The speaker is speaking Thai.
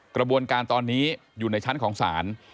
กระบวนการตอนนี้อยู่ในชั้นของศาล